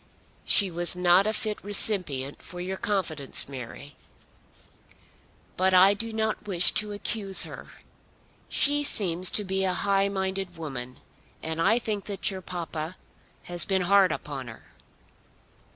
"She was not a fit recipient for your confidence, Mary. But I do not wish to accuse her. She seems to be a high minded woman, and I think that your papa has been hard upon her."